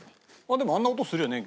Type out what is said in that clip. でもあんな音するよね。